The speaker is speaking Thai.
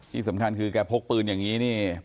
ที่สำคัญคือแกพกปืนอย่างนี้นี่